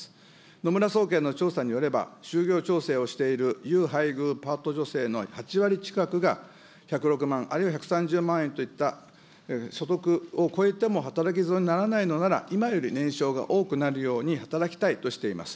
野村総研の調査によれば、就業調整をしている有配偶パートの８割近くが、１０６万、あるいは１３０万円といった所得を超えても働き損にならないのなら、今より年収が多くなるように、働きたいとしています。